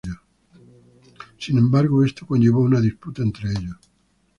Sin embargo, esto conllevó a una disputa entre ellos.